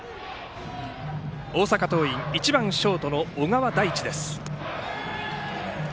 大阪桐蔭、１番、ショートの小川大地です。